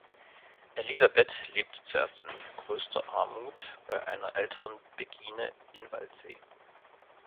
Elisabeth lebte zuerst in größter Armut bei einer älteren Begine in Waldsee.